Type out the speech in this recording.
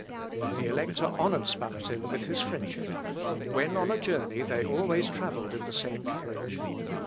The elector honoured Spalatin with his friendship; when on a journey they always travelled in the same carriage.